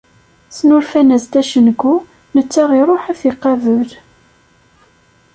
Snulfan-as-d acengu, netta iṛuḥ ad t-iqabel.